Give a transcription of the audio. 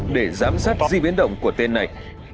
để giám sát di biến động của tên này